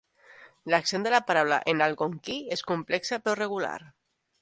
L'accent de la paraula en algonquí és complexe però regular.